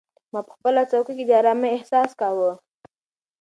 ما په خپله څوکۍ کې د ارامۍ احساس کاوه.